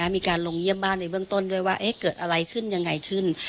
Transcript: มีการลงเยี่ยมบ้านในเบื้องต้นด้วยว่าเกิดอะไรขึ้นยังไงขึ้น